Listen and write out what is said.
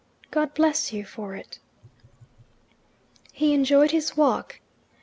"God bless you for it." He enjoyed his walk.